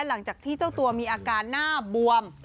หลังจากที่เจ้าตัวมีอาการหน้าบวม